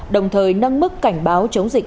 đồng thời nâng mức cảnh báo chống dịch bệnh